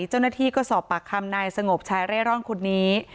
เจ้าหน้าที่ก็สอบปากคำนายสงบชายเร่ร่อนคนนี้